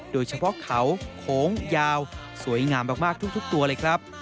โดยเฉพาะเขาโขงยาวสวยงามมากทุกตัวเลยครับ